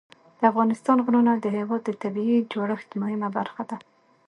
د افغانستان غرونه د هېواد د طبیعي جوړښت مهمه برخه ده.